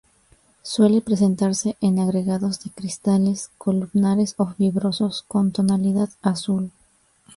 Suele presentarse en agregados de cristales, columnares o fibrosos, con tonalidad azul.